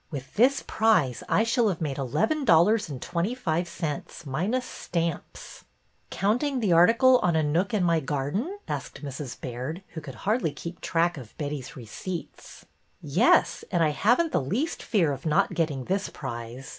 With this prize I shall have made eleven dollars and twenty five cents, minus stamps !" Counting the article on ' A Nook in My Garden '?" asked Mrs. Baird, who could hardly keep track of Betty's receipts. ''Yes. And I haven't the least fear of not getting this prize.